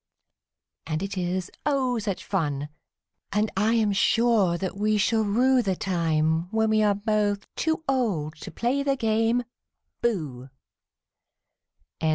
And it is, oh, such fun I am sure that we shall rue The time when we are both too old to play the game "Booh!"